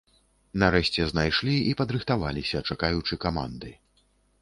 Нарэшце знайшлі і падрыхтаваліся, чакаючы каманды.